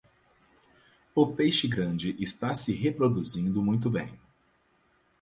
O peixe grande está se reproduzindo muito bem.